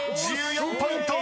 ［１４ポイント！］